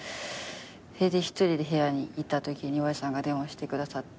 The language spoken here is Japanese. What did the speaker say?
それで一人で部屋にいたときに岩井さんが電話してくださって。